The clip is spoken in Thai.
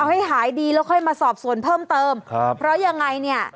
ให้หายดีแล้วค่อยมาสอบส่วนเพิ่มเติมครับเพราะยังไงเนี่ย